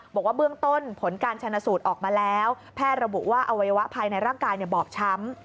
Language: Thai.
บอกว่าเบื้องต้นผลการชนะสูตรออกมาแล้วแพทย์ระบุว่าอวัยวะภายในร่างกายบอบช้ำ